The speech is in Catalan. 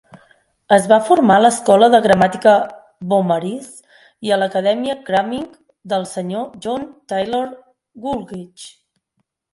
Es va formar a l'Escola de gramàtica Beaumaris i a l'Acadèmia Cramming del Sr. John Taylor, Woolwich.